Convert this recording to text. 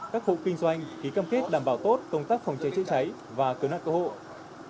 các hộ kinh doanh ký căm kết đảm bảo tốt công tác phòng cháy chữa cháy và cơ nạn cơ hội